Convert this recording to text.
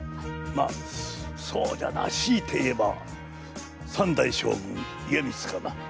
まあそうだなしいて言えば三代将軍家光かな。